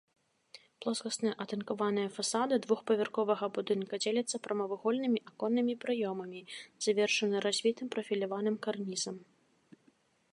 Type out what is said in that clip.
Плоскасныя атынкаваныя фасады двухпавярховага будынка дзеляцца прамавугольнымі аконнымі праёмамі, завершаны развітым прафіляваным карнізам.